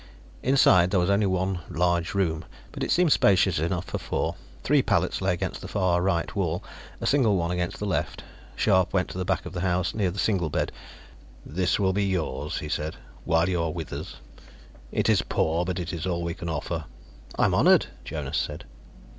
Inside, there was only one large room, but it seemed spacious enough for four. Three pallets lay against the far right wall, a single one against the left. Scharpe went to the back of the house, near the single bed. "This will be yours," he said, "while you are with us. It is poor but it is all we can offer." "I am honored," Jonas said.